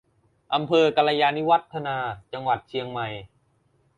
อำเภอกัลยาณิวัฒนา จังหวัดเชียงใหม่